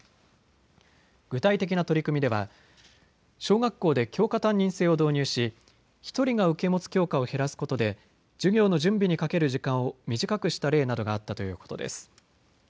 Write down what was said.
具体的な取り組みでは小学校で教科担任制を導入し１人が受け持つ教科を減らすことで授業の準備にかける時間を短くした例などがあったということです。